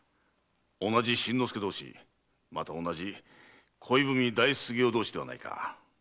同じ「しんのすけ」同士また同じ恋文代筆業同士ではないか。